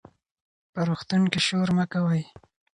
په روغتون کې شور مه کوئ.